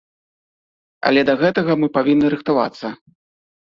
Але да гэтага мы павінны рыхтавацца.